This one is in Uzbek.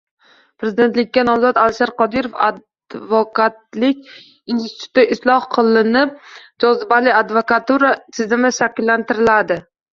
Prezidentlikka nomzod Alisher Qodirov: “Advokatlik instituti isloh qilinib, jozibali advokatura tizimi shakllantiriladi”